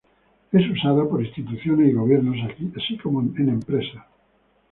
Es usada por instituciones y gobiernos, así como en empresas.